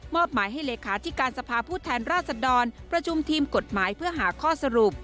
หมายให้เลขาธิการสภาพผู้แทนราชดรประชุมทีมกฎหมายเพื่อหาข้อสรุป